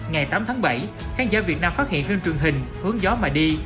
ngày tám tháng bảy khán giả việt nam phát hiện trên trường hình hướng gió mà đi